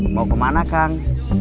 mau kemana kang